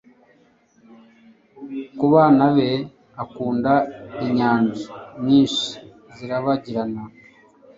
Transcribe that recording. kubana be akunda, inyanja nyinshi zirabagirana